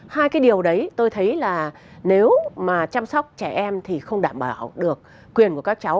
hai cái điều đấy tôi thấy là nếu mà chăm sóc trẻ em thì không đảm bảo được quyền của các cháu